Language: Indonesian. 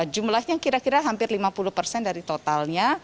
jumlahnya kira kira hampir lima puluh persen dari totalnya